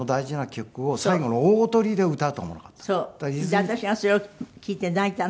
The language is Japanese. で私がそれを聴いて泣いたのね。